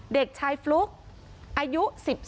เด็กชายฟลุ๊กอายุ๑๒